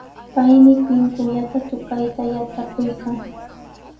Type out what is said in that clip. Paymi pinkullata tukayta yatrakuykan.